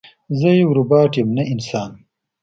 زه یو روباټ یم نه انسان